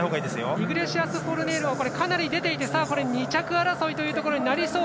イグレシアスフォルネイロかなり出ていて２着争いというところになりそう。